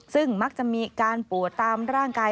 ซึ่งมักจะมีการปวดตามร่างกาย